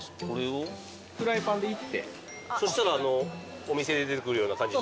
そしたらお店で出てくるような感じに？